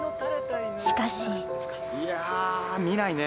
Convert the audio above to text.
しかしいや見ないね。